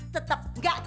tetap nggak ganteng